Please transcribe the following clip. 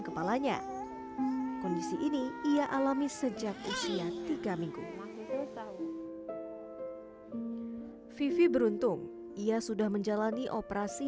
kepalanya kondisi ini ia alami sejak usia tiga minggu vivi beruntung ia sudah menjalani operasi